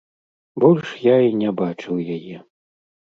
Больш я і не бачыў яе.